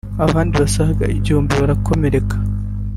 abandi basaga igihumbi barakomereka